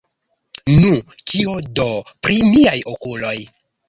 Nu, kio do, pri miaj okuloj?